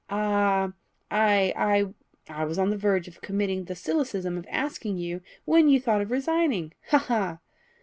ah! I I was on the verge of committing the solecism of asking you when you thought of resigning. Ha! ha!"